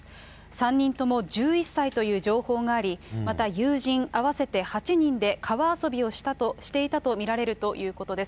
３人とも１１歳という情報があり、また友人合わせて８人で川遊びをしていたと見られるということです。